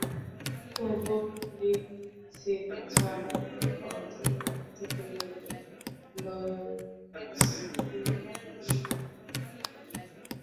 তবু লিওনেল মেসির কাছে আরাধ্য অধরাই থেকে গেল লরিয়াস ক্রীড়া পুরস্কার।